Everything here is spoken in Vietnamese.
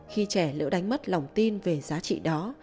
khi trẻ liễu đánh mất lòng tin về giá trị đó